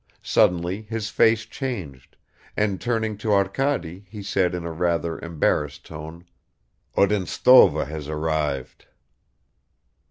Suddenly his face changed, and turning to Arkady he said in a rather embarrassed tone, "Odintsova has arrived."